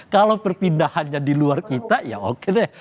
kalau perpindahannya di luar kita ya oke deh